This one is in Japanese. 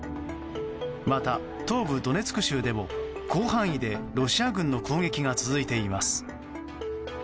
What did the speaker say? また、東部ドネツク州でも広範囲でロシア軍の攻撃が続いています。